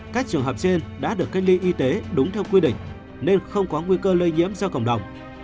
các trường hợp trên đã được cách ly y tế đúng theo quy định nên không có nguy cơ lây nhiễm ra cộng đồng